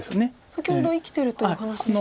先ほど生きてるというお話でしたが。